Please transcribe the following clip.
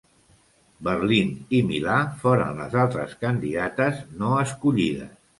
Berlín i Milà foren les altres candidates no escollides.